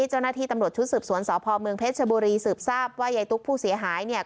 เจ้าหน้าที่ตำรวจชุดสืบสวนสพเมืองเพชรชบุรีสืบทราบว่ายายตุ๊กผู้เสียหายเนี่ย